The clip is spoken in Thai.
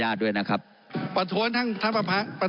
ท่านประธานครับคุณอฮุชาเนี่ยจะตัดเงินเดือนใช่ไหมท่านประธานครับ